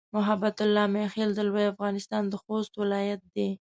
محبت الله "میاخېل" د لوی افغانستان د خوست ولایت دی.